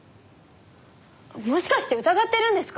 もしかして疑ってるんですか！？